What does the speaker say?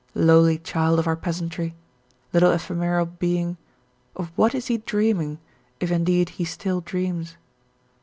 Lowly child of our peasantry, little ephemeral being, of what is he dreaming, if indeed he still dreams?